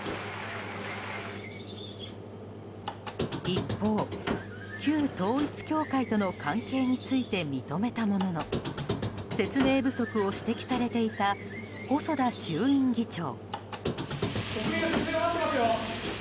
一方、旧統一教会との関係について認めたものの説明不足を指摘されていた細田衆院議長。